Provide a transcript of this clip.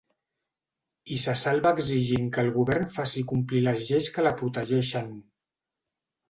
I se salva exigint que el govern faci complir les lleis que la protegeixen.